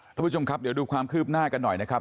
ท่านผู้ชมครับเดี๋ยวดูความคืบหน้ากันหน่อยนะครับ